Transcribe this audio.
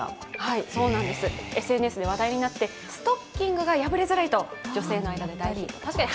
ＳＮＳで話題になって、ストッキングが破れづらいと女性から。